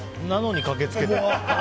なのに駆け付けた。